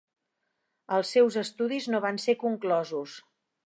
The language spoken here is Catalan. Els seus estudis no van ser conclosos.